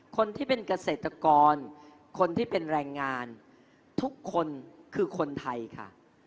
คนที่เป็นเกษตรกรคนที่เป็นแรงงานทุกคนคือคนไทยค่ะ